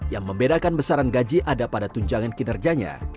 yang membedakan besaran gaji ada pada tunjangan kinerjanya